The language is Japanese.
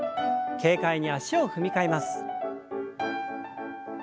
軽快に脚を踏み替えます。